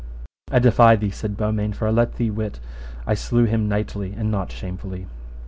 I defy thee, said Beaumains, for I let thee wit I slew him knightly and not shamefully.